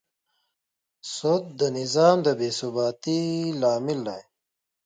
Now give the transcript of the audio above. سود د نظام بېثباتي لامل دی.